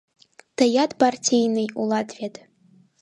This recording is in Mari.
— Тыят партийный улат вет?